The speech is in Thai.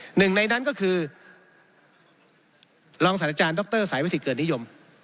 หนึ่งในนั้นก็คือรองศาสตราจารย์ดรสายวิสิทธเกิดนิยม